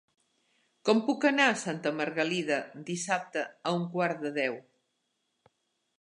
Com puc anar a Santa Margalida dissabte a un quart de deu?